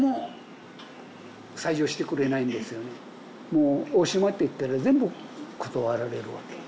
もう大島って言ったら全部断られるわけ。